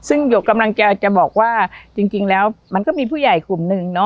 ซึ่งหยกกำลังจะบอกว่าจริงแล้วมันก็มีผู้ใหญ่กลุ่มหนึ่งเนาะ